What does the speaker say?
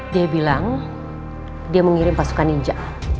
dia bilang dia mengirim pasukan ninja